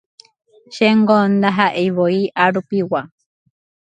Chéngo ndahaʼeivoi arupigua”.